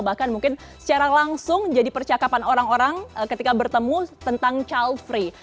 bahkan mungkin secara langsung jadi percakapan orang orang ketika bertemu tentang child free